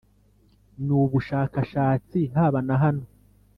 N ubushakashatsi haba na hano